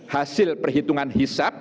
hasil perhitungan hisap